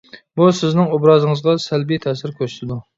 بۇ سىزنىڭ ئوبرازىڭىزغا سەلبىي تەسىر كۆرسىتىدۇ.